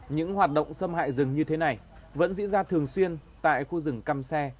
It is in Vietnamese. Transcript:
những hoạt động xâm hại rừng như thế này vẫn diễn ra thường xuyên tại khu rừng cam xe